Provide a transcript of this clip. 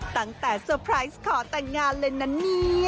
ตั้งแต่สเตอร์ไพรส์ขอตังงานเลยนะเนี่ย